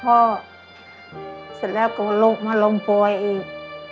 เสร็จแล้วก็ลูกมาล้มป่วยอีก